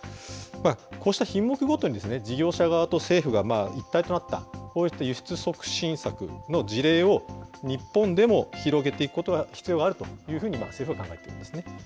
こうした品目ごとにですね、事業者側と政府が一体となった、こうした輸出促進策の事例を、日本でも広げていく必要があると、政府は考えているんですね。